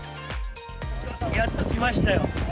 やっと来ましたよ。